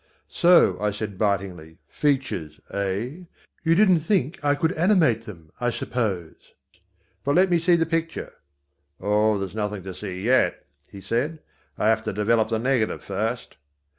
"So!" I said bitingly, "features, eh? You didn't think I could animate them, I suppose? But let me see the picture." "Oh, there's nothing to see yet," he said, "I have to develop the negative first.